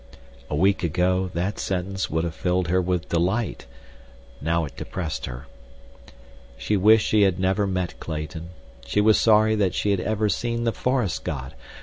A week ago that sentence would have filled her with delight, now it depressed her. She wished she had never met Clayton. She was sorry that she had ever seen the forest god.